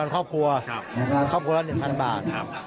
ครอบครัวครอบครัวละ๑๐๐บาท